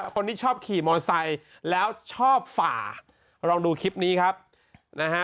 คนที่ชอบขี่มอเตอร์ไซค์แล้วชอบฝ่าลองดูคลิปนี้ครับนะฮะ